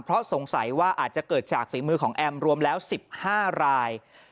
เพราะสงสัยว่าอาจจะเกิดจากฝีมือของแอมรวมแล้ว๑๕ราย